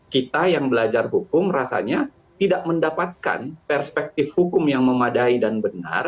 kita yang belajar hukum rasanya tidak mendapatkan perspektif hukum yang memadai dan benar